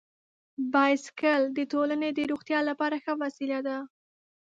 بایسکل د ټولنې د روغتیا لپاره ښه وسیله ده.